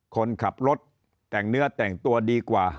คนขับรถแต่งเนื้อแต่งตัวดีกว่า